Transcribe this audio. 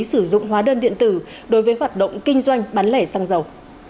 sử dụng hóa đơn điện tử đối với hoạt động kinh doanh bán lẻ xăng dầu